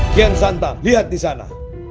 kian santa lihat di sana